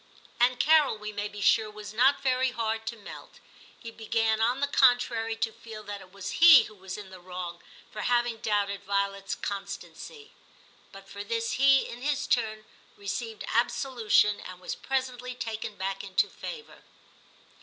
And Carol, we may be sure, was not very hard to melt. He began, on the contrary, to feel that it was he who was in the wrong for having doubted Violet's constancy; but for this he, in his turn, received absolution, and was presently taken back into favour.